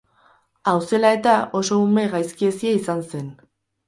Hau zela eta, oso ume gaizki hezia izan zen.